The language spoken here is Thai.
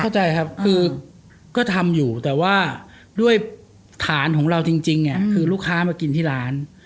เข้าใจครับคือก็ทำอยู่แต่ว่าด้วยฐานของเราจริงเนี่ยคือลูกค้ามากินที่ร้าน